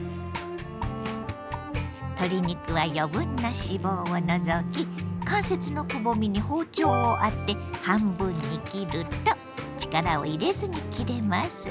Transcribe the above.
鶏肉は余分な脂肪を除き関節のくぼみに包丁を当て半分に切ると力を入れずに切れます。